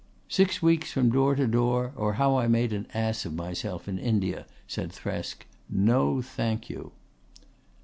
"Six weeks from door to door: or how I made an ass of myself in India," said Thresk. "No thank you!"